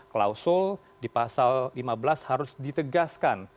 klausul di pasal lima belas harus ditegaskan